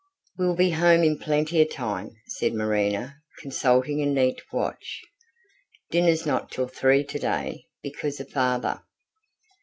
"We'll be home in plenty of time," said Marina, consulting a neat watch. "Dinner's not till three today, because of father."